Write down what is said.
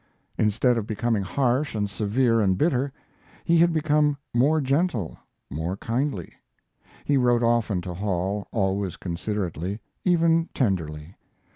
Instead of becoming harsh and severe and bitter, he had become more gentle, more kindly. He wrote often to Hall, always considerately, even tenderly.